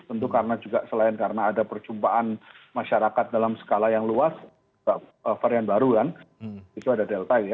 tentu karena juga selain karena ada perjumpaan masyarakat dalam skala yang luas varian baru kan itu ada delta ya